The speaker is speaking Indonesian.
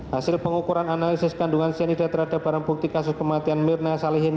hasil pengukuran analisis kandungan cyanida terhadap barang bukti kasus kematian mirna salihin